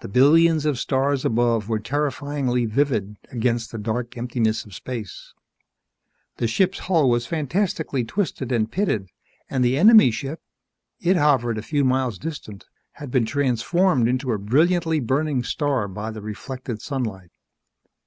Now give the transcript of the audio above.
The billions of stars above were terrifyingly vivid against the dark emptiness of space. The ship's hull was fantastically twisted and pitted, and the enemy ship it hovered a few miles distant had been transformed into a brilliantly burning star by the reflected sunlight.